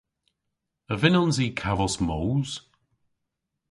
A vynnons i kavos moos?